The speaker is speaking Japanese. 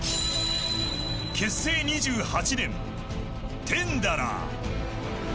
結成２８年、テンダラー。